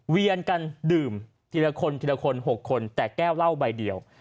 เวียนกันดื่มทีละคนทีละคน๖คนแต่แก้วเหล้าใบเดียว